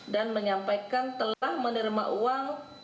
dan menyampaikan telah menerima uang